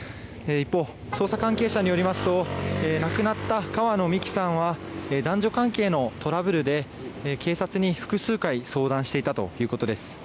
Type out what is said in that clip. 一方、捜査関係者によりますと亡くなった川野美樹さんは男女関係のトラブルで警察に複数回相談していたということです。